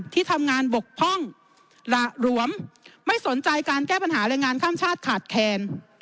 ที่ทำงานบกพร่องหละหลวมไม่สนใจการแก้ปัญหาแรงงานข้ามชาติขาดแคลน